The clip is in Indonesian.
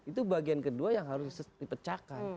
itu bagian kedua yang harus dipecahkan